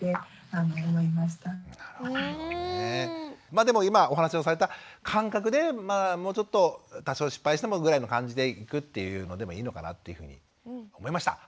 まあでも今お話をされた感覚でもうちょっと多少失敗してもぐらいの感じでいくっていうのでもいいのかなというふうに思いました。